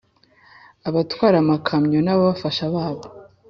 abatwara amakamyo n’ababafasha babo